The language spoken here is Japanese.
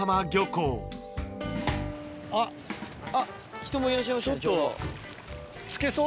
人もいらっしゃいましたね。